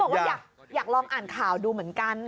บอกว่าอยากลองอ่านข่าวดูเหมือนกัน